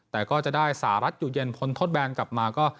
แต่ก็จะได้สหรัฐอยู่เย็นพ้นทดแบนกลับมาก็